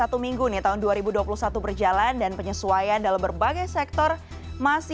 tinker dari omg consulting hai mas yoris